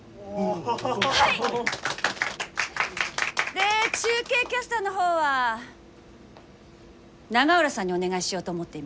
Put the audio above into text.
で中継キャスターの方は永浦さんにお願いしようと思っています。